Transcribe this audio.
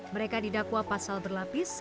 mereka didakwa pasal berlapis